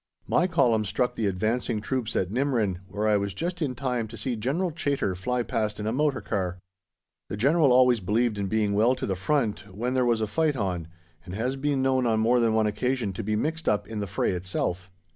My Column struck the advancing troops at Nimrin, where I was just in time to see General Chaytor fly past in a motor car. The General always believed in being well to the front when there was a fight on, and has been known on more than one occasion to be mixed up in the fray itself.